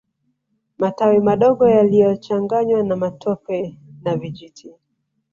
Matawi madogo yaliyochanganywa na matope na vijiti